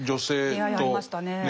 出会いありましたね。